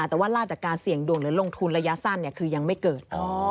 แต่ว่าลาบจากการเสี่ยงดวงหรือลงทุนระยะสั้นคือยังไม่เกิด